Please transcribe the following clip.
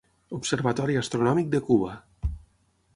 Observatori Astronòmic de Cuba.